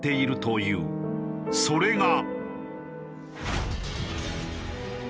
それが。